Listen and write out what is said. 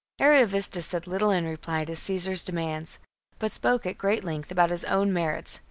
44. Ariovistus said little in reply to Caesar's demands, but spoke at great length about his own merits.